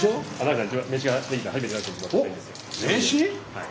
はい。